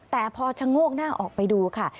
แต่พอชะโงกหน้าออกไปดูค่ะ